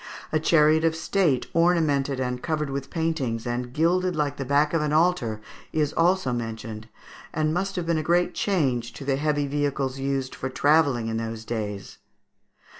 A chariot of state, ornamented and covered with paintings, and gilded like the back of an altar, is also mentioned, and must have been a great change to the heavy vehicles used for travelling in those days.